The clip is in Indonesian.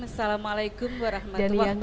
assalamualaikum warahmatullahi wabarakatuh